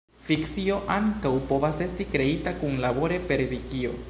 Fikcio ankaŭ povas esti kreita kunlabore per vikio.